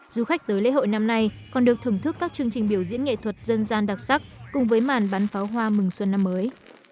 du khách tới lễ hội năm nay còn được thưởng thức các chương trình biểu diễn nghệ thuật dân gian đặc sắc cùng với màn bắn pháo hoa mừng xuân năm mới